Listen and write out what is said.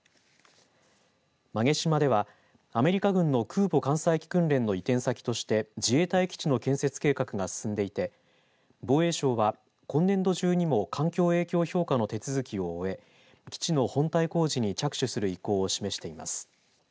馬毛島ではアメリカ軍の空母艦載機訓練の移転先として自衛隊基地の建設計画が進んでいて防衛省は、今年度中にも環境影響評価の手続きを終え基地の本体工事に着手する意向を示しています。